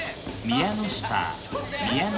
宮ノ下。